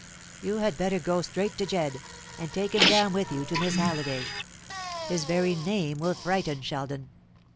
You had better go straight to Jedd, and take him down with you to Miss Halliday. His very name will frighten Sheldon."